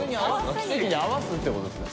奇跡に合わすってことですね。